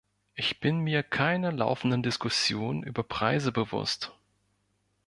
Ich bin mir keiner laufenden Diskussion über Preise bewusst.